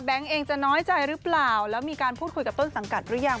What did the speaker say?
แบบเองจะน้อยใจรึเปล่าแล้วมีการพูดคุยกับเปิ้ลสังกัดหรือย่าง